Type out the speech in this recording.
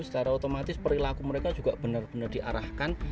secara otomatis perilaku mereka juga benar benar diarahkan